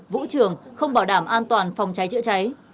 vũ trường không bảo đảm an toàn phòng cháy chữa cháy